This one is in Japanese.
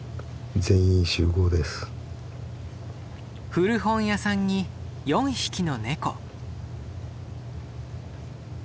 古本屋さんに４匹のネコ。